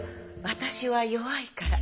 私は弱いから」。